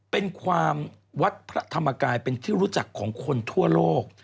เป็นความวัดพระธรรมกายเป็นที่รู้จักของคนทั่วโลก